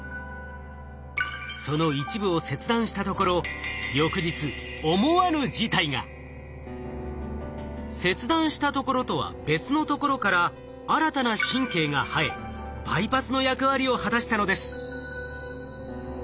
その一部を切断したところ翌日切断したところとは別のところから新たな神経が生えバイパスの役割を果たしたのです。